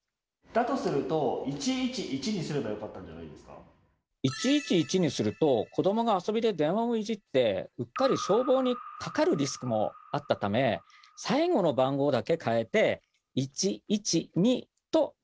だとすると１１１にすると子どもが遊びで電話をいじってうっかり消防にかかるリスクもあったため最後の番号だけ変えて１１２となりました。